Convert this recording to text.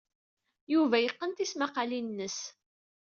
Yuba yeqqen tismaqqalin-nnes.